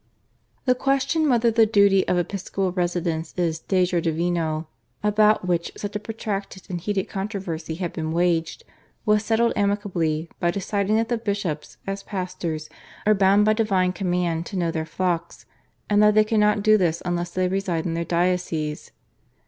The question whether the duty of episcopal residence is /de jure divino/, about which such a protracted and heated controversy had been waged, was settled amicably by deciding that the bishops as pastors are bound by divine command to know their flocks, and that they cannot do this unless they reside in their dioceses.